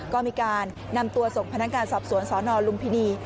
ก็มีการนำตัวส่งพนักงานสอบสวนสนลุมพินี